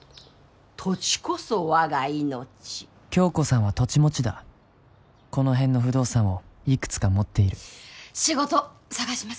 土地こそ我が命響子さんは土地持ちだこの辺の不動産をいくつか持っている仕事探します